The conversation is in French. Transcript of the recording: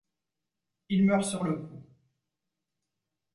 Il meurt sur le coup.